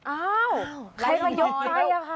อ้าวใครมายกไปอะค่ะ